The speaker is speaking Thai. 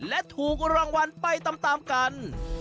และถูกรางวัลไปตามกัน